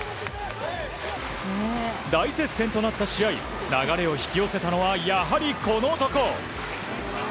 大接戦となった試合流れを引き寄せたのはやはりこの男。